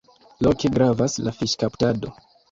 Loke gravas la fiŝkaptado.